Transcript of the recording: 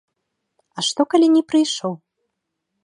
А што, калі не прыйшоў?